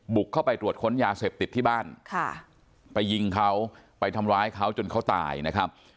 บุกเข้าไปตรวจค้นยาเสพติดที่บ้านค่ะไปยิงเขาไปทำร้ายเขาจนเขาตายนะครับ